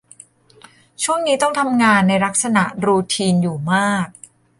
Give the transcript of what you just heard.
ช่วงนี้ต้องทำงานในลักษณะรูทีนอยู่มาก